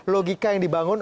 logika yang dibangun